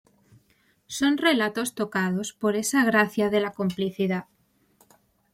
Son relatos tocados por esa gracia de la complicidad".